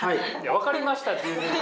分かりましたって。